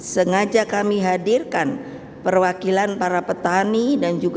sengaja kami hadirkan perwakilan para petani dan juga